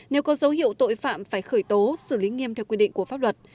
nếu có dấu hiệu tội phạm phải khởi tố xử lý nghiêm theo quy định của pháp luật